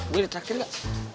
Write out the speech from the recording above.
gue di traktir gak